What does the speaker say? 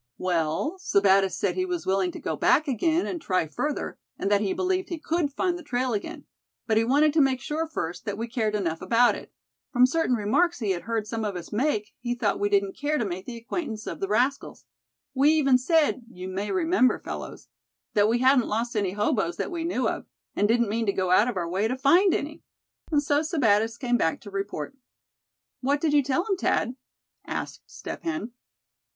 "Well, Sebattis said he was willing to go back again, and try further, and that he believed he could find the trail again; but he wanted to make sure first that we cared enough about it. From certain remarks he had heard some of us make, he thought we didn't care to make the acquaintance of the rascals. We even said, you may remember, fellows, that we hadn't lost any hoboes that we knew of, and didn't mean to go out of our way to find any. And so Sebattis came back to report." "What did you tell him, Thad?" asked Step Hen.